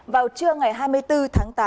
vào trưa ngày hai mươi bốn tháng tám